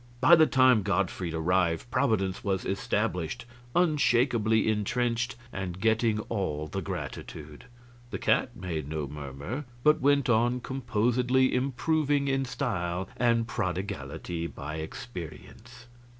By the time Gottfried arrived Providence was established, unshakably intrenched, and getting all the gratitude. The cat made no murmur, but went on composedly improving in style and prodigality by experience.